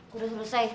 gue udah selesai